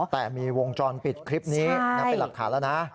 แต่มีวงจรปิดคลิปนี้นับเป็นหลักฐานแล้วนะ